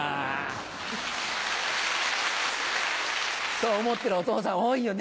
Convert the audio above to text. そう思ってるお父さん多いよね。